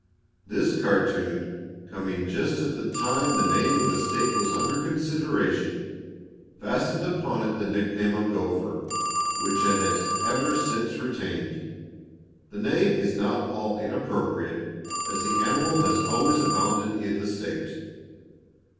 This cartoon, coming just at the time the name of the state was under consideration, fastened upon it the nickname of "Gopher," which it has ever since retained. The name is not at all inappropriate, as the animal has always abounded in the state.